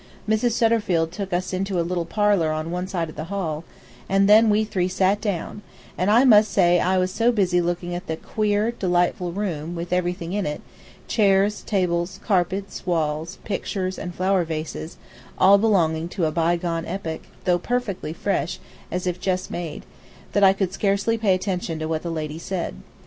Mrs. Shutterfield took us into a little parlor on one side of the hall, and then we three sat down, and I must say I was so busy looking at the queer, delightful room, with everything in it chairs, tables, carpets, walls, pictures, and flower vases all belonging to a bygone epoch, though perfectly fresh, as if just made, that I could scarcely pay attention to what the lady said.